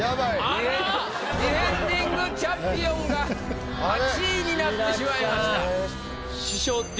あらディフェンディングチャンピオンが８位になってしまいました。